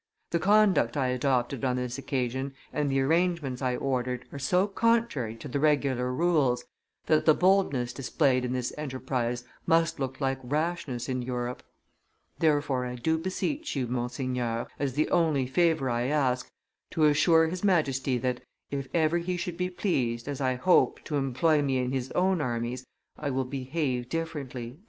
The conduct I adopted on this occasion and the arrangements I ordered are so contrary to the regular rules, that the boldness displayed in this enterprise must look like rashness in Europe. Therefore, I do beseech you, monseigneur, as the only favor I ask, to assure his Majesty that, if ever he should be pleased, as I hope, to employ me in his own armies, I will behave differently."